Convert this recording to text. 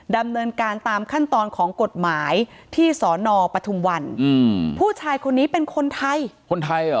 ดำเนินการตามขั้นตอนของกฎหมายที่สนปทุมวันผู้ชายคนนี้เป็นคนไทย